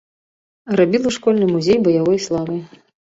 Рабіла школьны музей баявой славы.